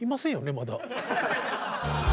まだ。